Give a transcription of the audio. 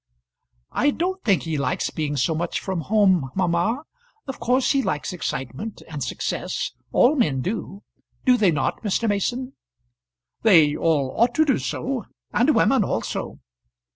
"I don't think he likes being so much from home, mamma. Of course he likes excitement, and success. All men do. Do they not, Mr. Mason?" "They all ought to do so, and women also."